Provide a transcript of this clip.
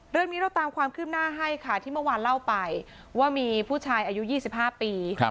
เรื่องนี้เราตามความคืบหน้าให้ค่ะที่เมื่อวานเล่าไปว่ามีผู้ชายอายุ๒๕ปี